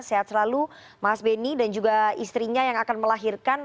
sehat selalu mas benny dan juga istrinya yang akan melahirkan